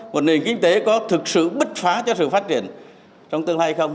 một nền kinh tế có thực sự bứt phá cho sự phát triển trong tương lai hay không